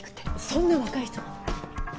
そんな若い人なの？